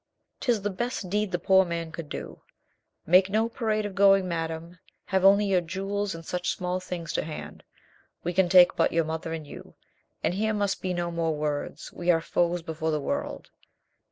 'Tis the best deed the poor man could do. Make no parade of going, madame. Have only your jewels and such small things to hand. We can take but your mother and you. And here must be no more words. We are foes before the world."